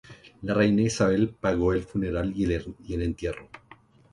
La reina Isabel pagó el funeral y el entierro.